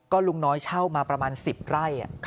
ลุงน้อยเช่ามาประมาณ๑๐ไร่